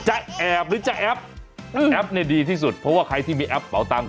จะแอบหรือจะแอปแอปเนี่ยดีที่สุดเพราะว่าใครที่มีแอปเป่าตังค